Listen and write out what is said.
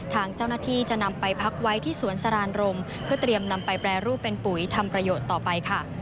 ทางเจ้าหน้าที่จะนำไปพักไว้ที่สวนสรานรมเพื่อเตรียมนำไปแปรรูปเป็นปุ๋ยทำประโยชน์ต่อไปค่ะ